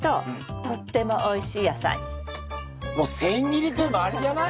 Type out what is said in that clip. もう千切りといえばあれじゃない？